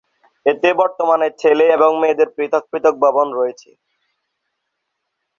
এতে বর্তমানে ছেলে এবং মেয়েদের পৃথক পৃথক ভবন রয়েছে।